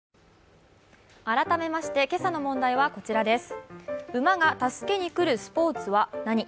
改めまして今朝の問題はこちらです。